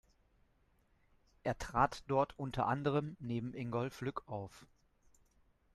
Er trat dort unter anderem neben Ingolf Lück auf.